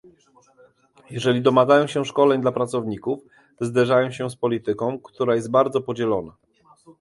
Jeżeli domagają się szkoleń dla pracowników, zderzają się z polityką, która jest bardzo podzielona